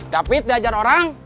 david diajar orang